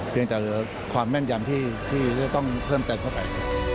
จะเหลือความแม่นยำที่จะต้องเพิ่มเติมเข้าไป